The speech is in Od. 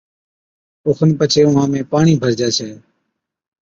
اوکن پڇي اُونھان ۾ پاڻِي ڀرجَي ڇَي